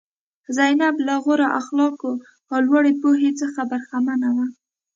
زینب له غوره اخلاقو او لوړې پوهې څخه برخمنه وه.